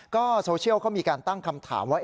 ก็โซเชียลเขามีการตั้งคำถามว่า